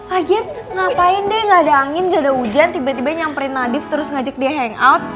agit ngapain deh gak ada angin nggak ada hujan tiba tiba nyamperin nadif terus ngajak dia hangout